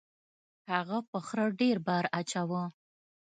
هغه په خره ډیر بار اچاوه.